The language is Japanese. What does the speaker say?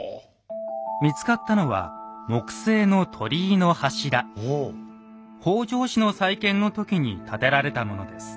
見つかったのは北条氏の再建の時に建てられたものです。